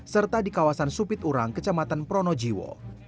serta di kawasan supiturang kecamatan pronojiwo